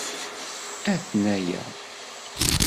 Aten-aya!